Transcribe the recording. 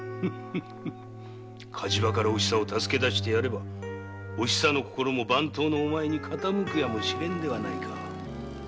火事場からお久を助け出してやればお久の心も番頭のお前に傾くやもしれぬではないか。